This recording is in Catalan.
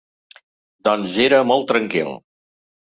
Doncs era molt tranquil.